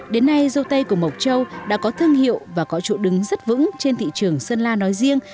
đến nay dâu tây của mộc châu đã có thương hiệu và có chỗ đứng rất vững trên thị trường sơn la nói riêng